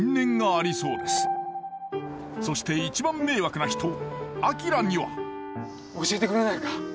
そして一番迷惑な人明には教えてくれないか？